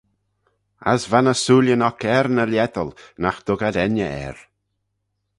As va ny sooillyn oc er ny lhiettal nagh dug ad enney er.